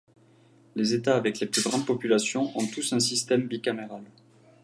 Les États avec les plus grandes populations ont tous un système bicaméral.